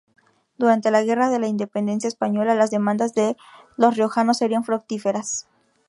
Durante la guerra de la independencia española las demandas de los riojanos serían fructíferas.